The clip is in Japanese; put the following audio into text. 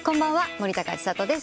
森高千里です。